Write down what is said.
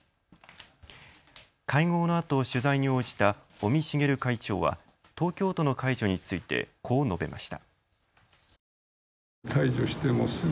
会合のあと取材に応じた尾身茂会長は東京都の解除について、こう述べました。